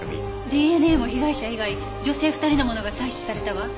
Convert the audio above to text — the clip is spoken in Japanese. ＤＮＡも被害者以外女性２人のものが採取されたわ。